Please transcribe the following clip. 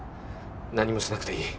何もしなくていい。